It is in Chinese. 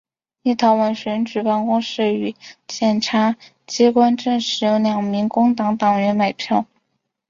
立陶宛选举办公室与检察机关证实有两名工党党员买票。